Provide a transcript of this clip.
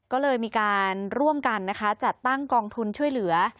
ก็เลยมีการร่วมกันนะคะจัดตั้งกองทุนช่วยเหลือ